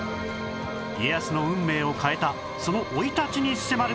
家康の運命を変えたその生い立ちに迫る